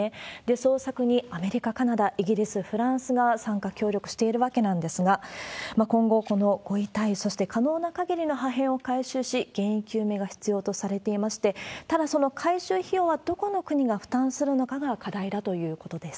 捜索にアメリカ、カナダ、イギリス、フランスが参加協力しているわけなんですが、今後、このご遺体、そして可能なかぎりの破片を回収し、原因究明が必要とされていまして、ただ、その回収費用はどこの国が負担するのかが課題だということです。